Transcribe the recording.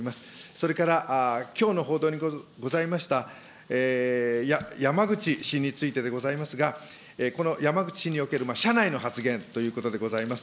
それからきょうの報道にございました、山口氏についてでございますが、この山口氏における社内の発言ということでございます。